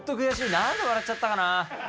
なんで笑っちゃったかな？